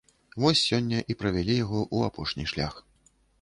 Вось сёння і правялі яго ў апошні шлях.